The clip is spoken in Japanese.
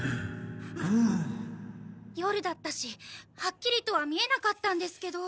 夜だったしはっきりとは見えなかったんですけど。